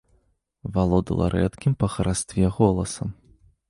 Валодала рэдкім па харастве голасам.